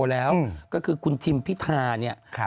แล้วก็คือคุณทิ่งพิทา